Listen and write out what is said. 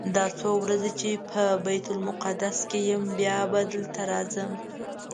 دا څو ورځې چې په بیت المقدس کې یم بیا به دلته راځم.